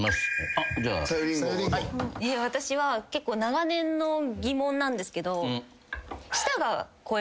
私は結構長年の疑問なんですけど。